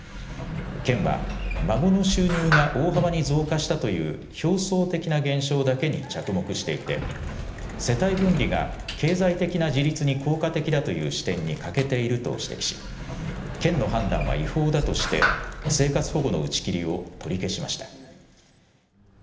県は孫の収入が大幅に増加したという表層的な現象だけに着目していて世帯分離が経済的な自立に効果的だという視点に欠けていると指摘し県の判断は違法だとして生活保護の打ち切りを取り消しました。